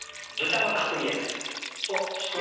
あっきた！